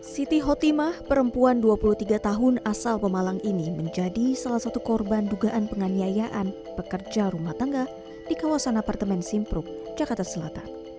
siti hotimah perempuan dua puluh tiga tahun asal pemalang ini menjadi salah satu korban dugaan penganiayaan pekerja rumah tangga di kawasan apartemen simpruk jakarta selatan